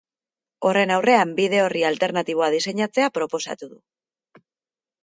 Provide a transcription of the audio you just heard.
Horren aurrean, bide orri alternatiboa diseinatzea proposatu du.